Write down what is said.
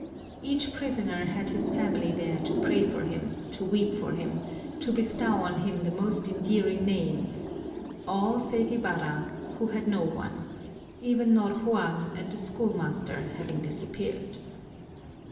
Each prisoner had his family there to pray for him, to weep for him, to bestow on him the most endearing names all save Ibarra, who had no one, even Ñor Juan and the schoolmaster having disappeared.